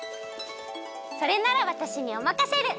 それならわたしにおまかシェル！